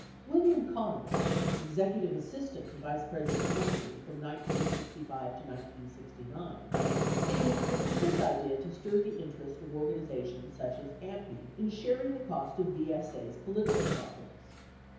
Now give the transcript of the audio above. William Connell, Executive Assistant to Vice President Humphrey from 1965 to 1969, stated it was his idea to stir the interest of organi zations such as AMPI in sharing the cost of VSA's political projects.